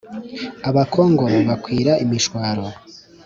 Abakongoro bakwira imishwaro.